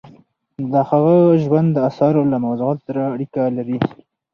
د هغه ژوند د اثارو له موضوعاتو سره اړیکه لري.